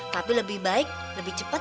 tapi lebih baik lebih cepat